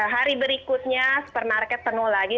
hari berikutnya supermarket penuh lagi